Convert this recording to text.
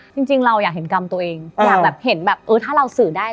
จริงเราอยากเห็นกรรมตัวเองอยากแบบเห็นแบบเออถ้าเราสื่อได้